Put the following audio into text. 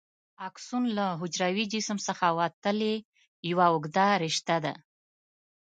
اکسون له حجروي جسم څخه وتلې یوه اوږده رشته ده.